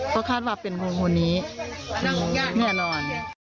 ก็คาดว่าเป็นคนนี้แน่นอน